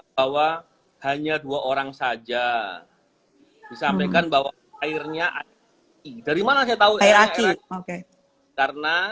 menunjukkan bahwa hanya dua orang saja disampaikan bahwa airnya dari mana saya tahu air aci karena